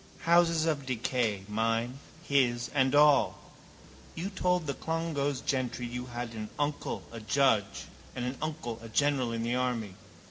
Houses of decay, mine, his and all. You told the Clongowes gentry you had an uncle a judge and an uncle a general in the army.